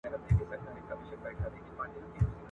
زما یې خټه ده اخیستې د خیام د خُم له خاورو ..